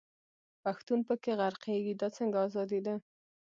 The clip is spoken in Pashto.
پښتون په کښي غرقېږي، دا څنګه ازادي ده.